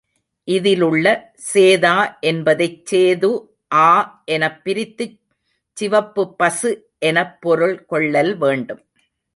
இதிலுள்ள சேதா என்பதைச் சேது ஆ எனப் பிரித்துச் சிவப்புப் பசு எனப்பொருள் கொள்ளல் வேண்டும்.